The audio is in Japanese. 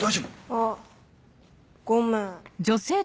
あっごめん。